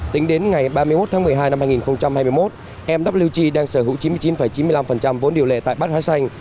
tính đến ngày ba mươi một tháng một mươi hai năm hai nghìn hai mươi một mwch đang sở hữu chín mươi chín chín mươi năm vốn điều lệ tại bát hóa xanh